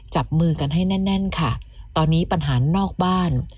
จับมือกันให้แน่นแน่นค่ะตอนนี้ปัญหานอกบ้าน